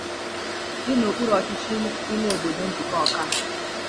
dị n'okpuru ọchịchị ime obodo Njikọka